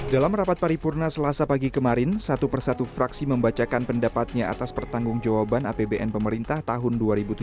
dalam rapat paripurna selasa pagi kemarin satu persatu fraksi membacakan pendapatnya atas pertanggung jawaban apbn pemerintah tahun dua ribu tujuh belas